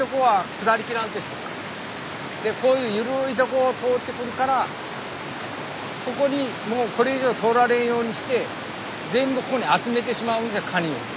でこういう緩いとこを通ってくるからここにもうこれ以上通られんようにして全部ここに集めてしまうんですカニを。